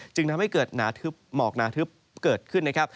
จึงทำให้เกิดหนาทึบหมอกหนาทึบเกิดขึ้นนะครับ